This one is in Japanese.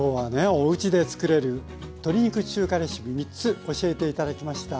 おうちでつくれる鶏肉中華レシピ３つ教えて頂きました。